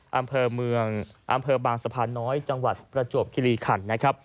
อำเภอเมืองอำเภอบางสะพานน้อยจังหวัดประจวบคิริขันนะครับ